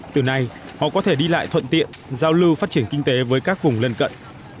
từ nay họ có thể đi lại thuận tiện giao lưu phát triển kinh tế với các vùng lân cận